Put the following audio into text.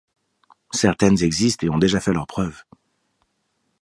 Certaines existent et ont déjà fait leurs preuves.